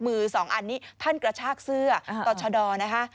สองอันนี้ท่านกระชากเสื้อต่อชะดอนะคะ